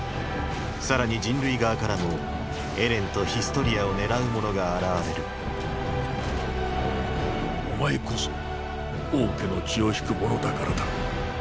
さらに人類側からもエレンとヒストリアを狙う者が現れるお前こそ王家の血を引く者だからだ。